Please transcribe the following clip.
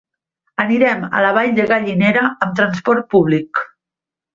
Anirem a la Vall de Gallinera amb transport públic.